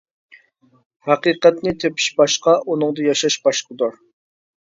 ھەقىقەتنى تېپىش باشقا، ئۇنىڭدا ياشاش باشقىدۇر.